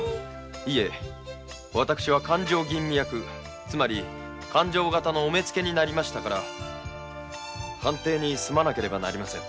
いや私は勘定吟味役つまり勘定方のお目付になったゆえ藩邸に住まわねばなりません。